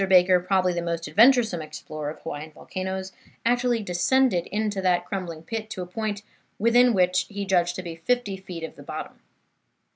Baker, probably the most adventuresome explorer of Hawaiian volcanoes, actually descended into that crumbling pit to a point within what he judged to be fifty feet of the bottom.